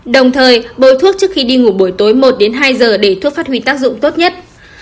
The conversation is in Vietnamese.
đồng thời bồi thuốc trước khi đi ngủ buổi tối một đến hai giờ để thuốc phát huy tác dụng tốt nhất